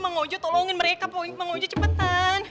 mang ojo tolongin mereka mang ojo cepetan